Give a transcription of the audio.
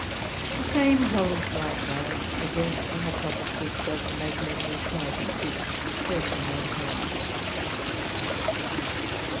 The same holds likewise against the Hypothesis of Magnetical Fibres, which Kircher maintains.